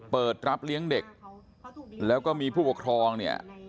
เปิดรับเลี้ยงเด็กแล้วก็มีผู้ปกครองเนี่ย